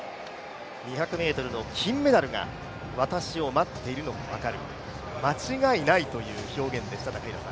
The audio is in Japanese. ２００ｍの金メダルが私を待っているのが分かる、間違いないという表現でした。